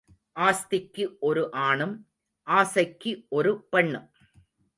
ஆஸ்திக்கு ஓர் ஆணும் ஆசைக்கு ஒரு பெண்ணும்.